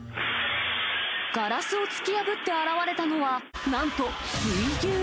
ガラスを突き破って現れたのは、なんと水牛。